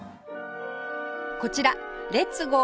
こちらレッツゴー！